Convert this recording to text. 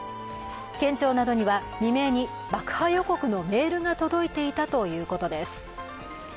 県庁などには未明に爆破予告のメールが届いていたということです。